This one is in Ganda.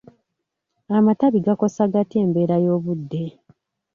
Amatabi gakosa gatya embeera y'obudde?